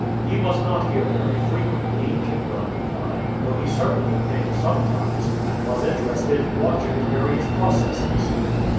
"He was not here very frequently," Chigron replied, "though he certainly came sometimes, and was interested in watching the various processes."